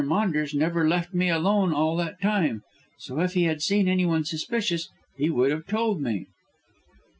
Maunders never left me alone all that time, so if he had seen anyone suspicious he would have told me."